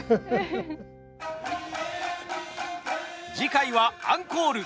次回はアンコール。